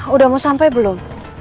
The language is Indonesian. udah mau sampai belum